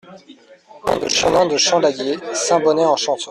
Chemin de Champ Lagier, Saint-Bonnet-en-Champsaur